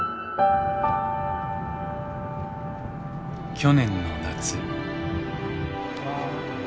去年の夏。